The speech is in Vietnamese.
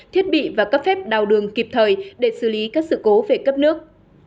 thiết bị và cấp phép đào đường kịp thời để xử lý các sự cố về cấp nước